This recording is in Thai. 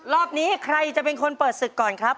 รอบนี้ใครจะเป็นคนเปิดศึกก่อนครับ